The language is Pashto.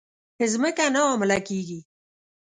مځکه نه حامله کیږې